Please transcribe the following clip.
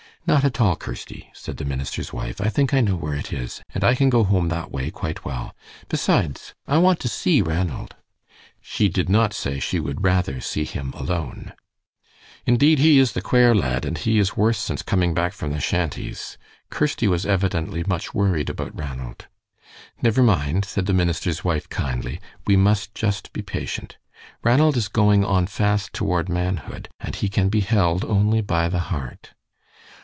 "Not at all, Kirsty," said the minister's wife. "I think I know where it is, and I can go home that way quite well. Besides, I want to see Ranald." She did not say she would rather see him alone. "Indeed, he is the quare lad, and he is worse since coming back from the shanties." Kirsty was evidently much worried about Ranald. "Never mind," said the minister's wife, kindly; "we must just be patient. Ranald is going on fast toward manhood, and he can be held only by the heart."